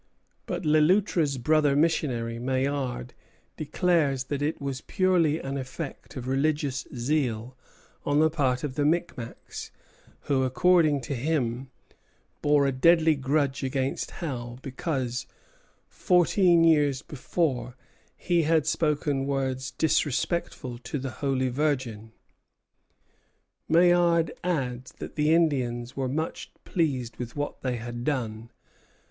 But Le Loutre's brother missionary, Maillard, declares that it was purely an effect of religious zeal on the part of the Micmacs, who, according to him, bore a deadly grudge against Howe because, fourteen years before, he had spoken words disrespectful to the Holy Virgin. Maillard adds that the Indians were much pleased with what they had done.